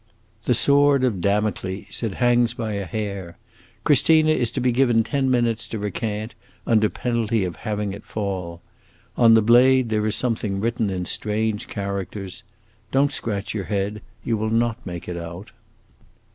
"The sword of Damocles! It hangs by a hair. Christina is to be given ten minutes to recant, under penalty of having it fall. On the blade there is something written in strange characters. Don't scratch your head; you will not make it out."